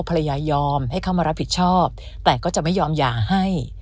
ไม่ยอมให้เข้ามารับผิดชอบแต่ก็จะไม่ยอมหย่าให้